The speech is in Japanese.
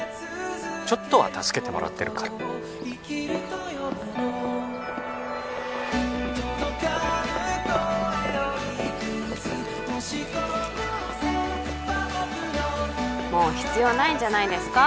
ちょっとは助けてもらってるからもう必要ないんじゃないですか？